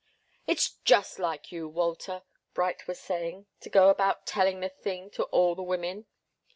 "It's just like you, Walter," Bright was saying, to go about telling the thing to all the women.